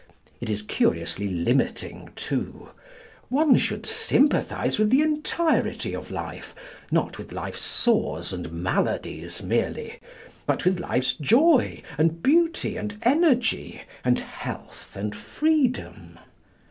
It is curiously limiting, too. One should sympathise with the entirety of life, not with life's sores and maladies merely, but with life's joy and beauty and energy and health and freedom.